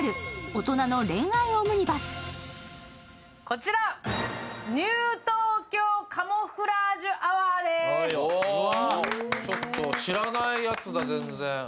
ちょっと知らないやつだ、全然。